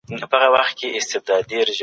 ځينې ودونه بريالي نه وي.